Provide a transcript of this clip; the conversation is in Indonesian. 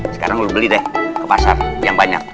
sekarang udah beli deh ke pasar yang banyak